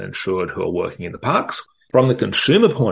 kita akan memeriksa kegiatan pribadi mereka